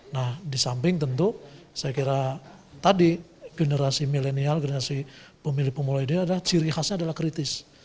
nah di samping tentu saya kira tadi generasi milenial generasi pemilih pemula ini adalah ciri khasnya adalah kritis